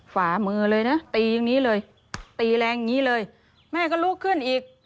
ฝ่ามือเลยนะตีอย่างนี้เลยตีแรงอย่างนี้เลยแม่ก็ลุกขึ้นอีก